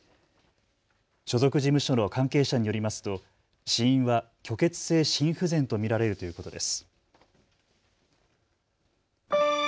所属事務所の関係者によりますと死因は虚血性心不全と見られるということです。